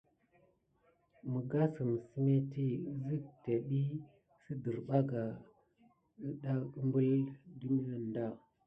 Məgasem semeti isik tembi siderbaka atdé kubula de maneda.